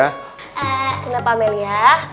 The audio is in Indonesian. eh kenapa main ya